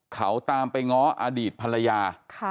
เขาตามไปง้ออดีตภรรยา